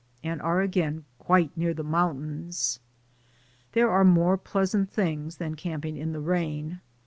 and are again quite near the mountains. There are more pleasant things than camping in the rain.